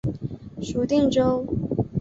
属定州。